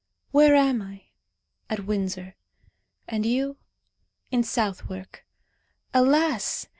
"Where am I? At Windsor. And you? In Southwark. Alas!